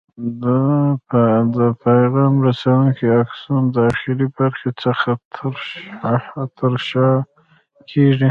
دا د پیغام رسونکي آکسون د اخري برخې څخه ترشح کېږي.